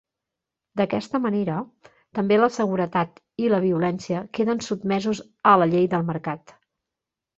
D'aquesta manera, també la seguretat i la violència queden sotmesos a la llei del mercat.